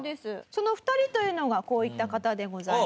その２人というのがこういった方でございます。